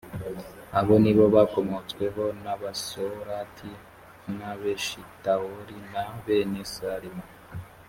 abo ni bo bakomotsweho n’abasorati n’abeshitawoli na bene salima